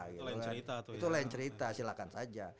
itu lain cerita silahkan saja